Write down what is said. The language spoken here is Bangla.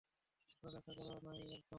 পড়ালেখা করো নাই একদম?